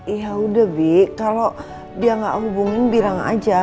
ya udah bi kalau dia gak hubungin birang aja